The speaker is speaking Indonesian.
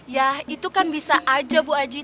ya itu kan bisa aja bu aji